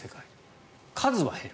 数は減る。